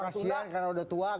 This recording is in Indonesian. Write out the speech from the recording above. atau kasihan karena sudah tua